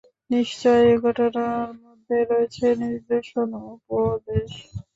নিশ্চয় এ ঘটনার মধ্যে রয়েছে নিদর্শন—উপদেশ।